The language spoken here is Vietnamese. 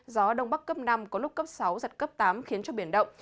gió đông bắc cấp năm có lúc cấp sáu giật cấp tám khiến cho biển động